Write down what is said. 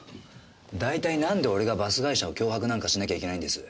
大体なんで俺がバス会社を脅迫なんかしなきゃいけないんです？